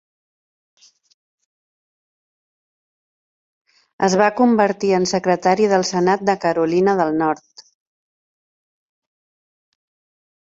Es va convertir en secretari del senat de Carolina del Nord.